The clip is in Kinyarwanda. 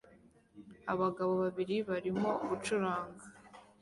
Abagabo babiri barimo gucuranga